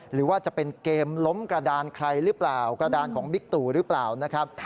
หรือว่าจะเป็นเกมล้มกระดานใครหรือเปล่ากระดานของบิ๊กตู่หรือเปล่านะครับ